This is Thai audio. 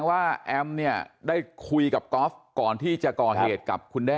ว่าแอมเนี่ยได้คุยกับกอล์ฟก่อนที่จะก่อเหตุกับคุณแด้